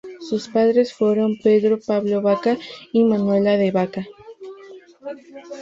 Sus padres fueron Pedro Pablo Vaca y Manuela de Vaca.